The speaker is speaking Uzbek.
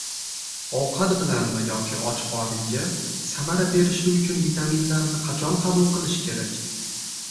Ovqat bilanmi yoki och qoringa: Samara berishi uchun vitaminlarni qachon qabul qilish kerak?